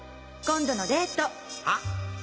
今度のデート。は？